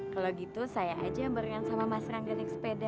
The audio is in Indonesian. kalau gitu saya aja berenang sama mas rangga naik sepeda